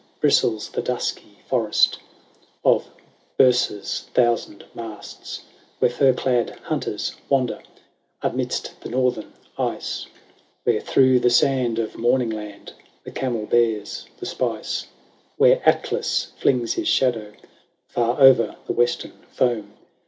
Bristles the dusky forest Of Byrsa's thousand masts ; Where fur clad hunters wander Amidst the northern ice ; Where through the sand of morning land The camel bears the spice ; Where Atlas flings his shadow Far o'er the western foam.